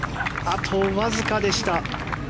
あとわずかでした。